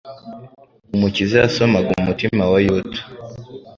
Umukiza yasomaga umutima wa Yuda.